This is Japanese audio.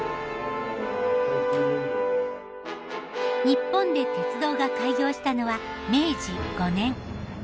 日本で鉄道が開業したのは明治５年。